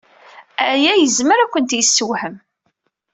Aya yezmer ad kent-yessewhem.